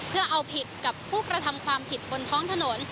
เพื่อเอาผิดกับผู้กระทำความผิดบนท้องถนน